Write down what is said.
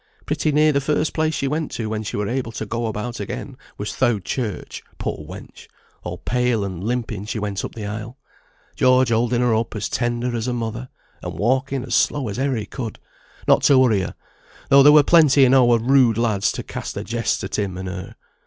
Pretty near the first place she went to when she were able to go about again, was th' Oud Church; poor wench, all pale and limping she went up the aisle, George holding her up as tender as a mother, and walking as slow as e'er he could, not to hurry her, though there were plenty enow of rude lads to cast their jests at him and her.